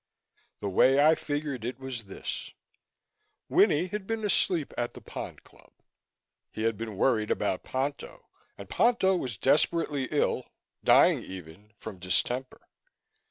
The way I figured it was this: Winnie had been asleep at the Pond Club. He had been worried about Ponto and Ponto was desperately ill dying even from distemper.